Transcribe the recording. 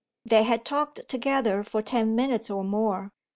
They had talked together for ten minutes or more.